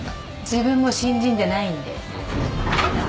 自分もう新人じゃないんで。